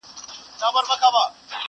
نجلۍ له غوجلې سره تړل کيږي تل،